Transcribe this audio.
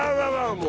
もう。